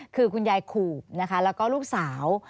คือคุณยายขู่แล้วก็ลูกสาว